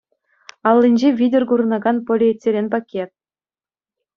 Аллинче витӗр курӑнакан полиэтилен пакет.